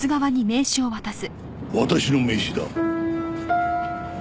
私の名刺だ。